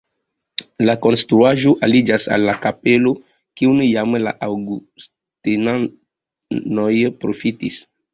La konstruaĵo aliĝas al la kapelo, kiun jam la aŭgustenanoj profitis.